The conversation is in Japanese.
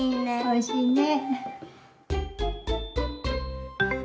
おいしいね。